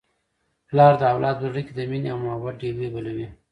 پلار د اولاد په زړه کي د مینې او محبت ډېوې بلوي.